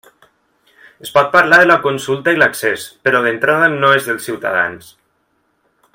Es pot parlar de la consulta i l'accés, però d'entrada no és dels ciutadans.